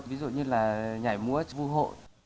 ví dụ như là nhảy múa vu hộ